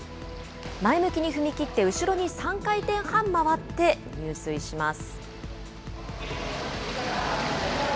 前向きに踏み切って、後ろに３回転半回って入水します。